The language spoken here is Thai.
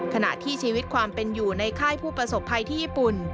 ขณะที่ชีวิตความเป็นอยู่ในค่ายผู้ประสบภัยที่ญี่ปุ่น